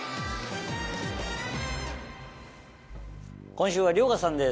今週は遼河さんです